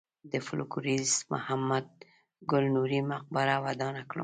د فولکلوریست محمد ګل نوري مقبره ودانه کړم.